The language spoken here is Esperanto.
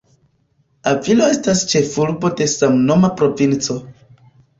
Avilo estas ĉefurbo de samnoma provinco.